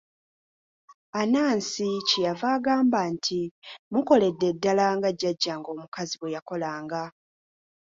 Anansi kye yava agamba nti, mukoledde ddala nga jjajjaange omukazi bwe yakolanga.